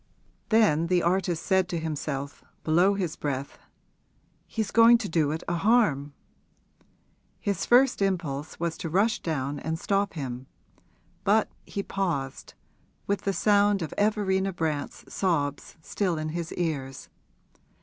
Then the artist said to himself, below his breath, 'He's going to do it a harm!' His first impulse was to rush down and stop him; but he paused, with the sound of Everina Brant's sobs still in his ears.